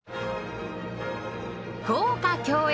豪華共演！